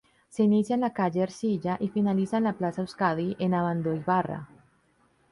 Se inicia en la calle Ercilla y finaliza en la plaza Euskadi, en Abandoibarra.